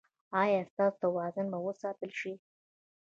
ایا ستاسو توازن به وساتل شي؟